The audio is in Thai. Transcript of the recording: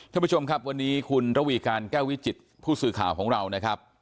ท่านผู้ชมครับวันนี้คุณระวีการแก้ววิจิตผู้สื่อข่าวของเรานะครับ